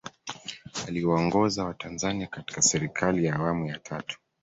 aliwaongoza watanzania katika serikali ya awamu ya tatu